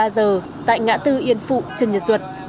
hai mươi ba giờ tại ngã tư yên phụ trần nhật duật